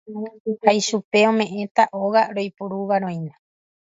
Ha ichupe ome'ẽtaha óga roiporuvaroína.